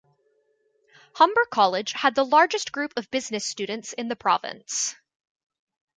Humber College had the largest group of Business students in the province.